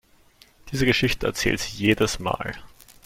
Diese Geschichte erzählt sie jedes Mal.